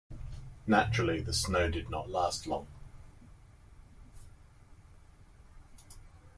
Naturally, the snow did not last long.